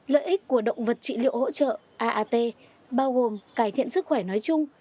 lợi ích của động vật trị liệu hỗ trợ aat bao gồm cải thiện sức khỏe nói chung